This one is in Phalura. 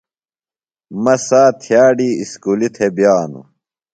مہ سات تھئاڈی اسکولیۡ تھےۡ بئانوۡ۔